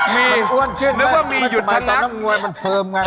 มันอ้วนขึ้นมันธรรมน้ำงวลมันเฟิร์มไง